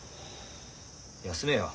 休めよ。